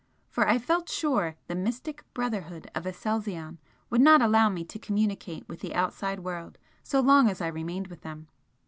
For I felt sure the mystic Brotherhood of Aselzion would not allow me to communicate with the outside world so long as I remained with them.